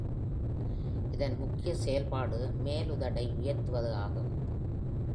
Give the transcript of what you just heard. இதன் முக்கிய செயல்பாடு மேல் உதடை உயர்த்துவது ஆகும்.